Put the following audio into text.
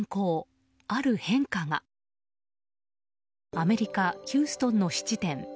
アメリカ・ヒューストンの質店。